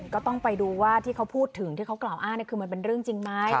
ก็ต้องไปดูว่าที่เขาพูดถึงที่เขากล่าวอ้างคือมันเป็นเรื่องจริงไหม